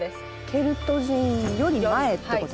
ケルト人より前ってこと？